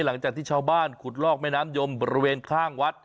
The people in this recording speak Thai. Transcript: หลังจากที่ชาวบ้านขุดลอกแม่น้ำยมบริเวณข้างวัด